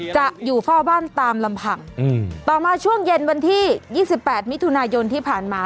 จะอยู่เฝ้าบ้านตามลำพังต่อมาช่วงเย็นวันที่๒๘มิถุนายนที่ผ่านมา